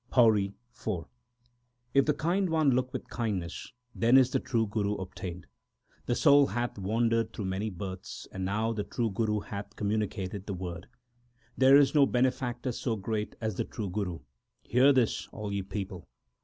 PAURI IV If the Kind One look with kindness, then is the true Guru obtained. The soul hath wandered through many births, and now the true Guru hath communicated the Word. There is no benefactor so great as the true Guru ; hear this, all ye people.